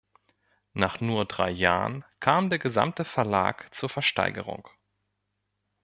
Nach nur drei Jahren kam der gesamte Verlag zur Versteigerung.